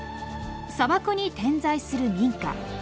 砂漠に点在する民家。